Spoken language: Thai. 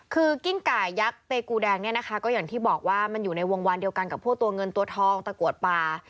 คือกิ้งไก่ยักษ์เตกูแดงเนี่ยนะคะก็อย่างที่บอกว่ามันอยู่ในวงวานเดียวกันกับพวกตัวเงินตัวทองตะกรวดปลา